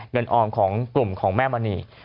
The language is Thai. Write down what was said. เงินออ่อนของกลุ่มของแม่มะนี